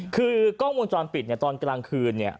คือกล้องวงจรปิดตอนกลางคืน